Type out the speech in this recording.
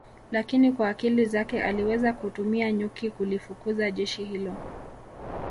lakini kwa akili zake aliweza kutumia nyuki kulifukuza jeshi hilo